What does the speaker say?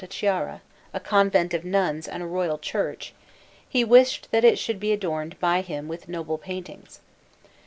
Chiara, a convent of nuns and a royal church, he wished that it should be adorned by him with noble paintings.